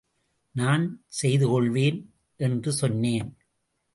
நான் செய்துகொள்வேன் என்று சொன்னேன்.